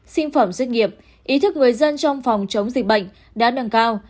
sinh phẩm dịch nghiệp ý thức người dân trong phòng chống dịch bệnh đáng nâng cao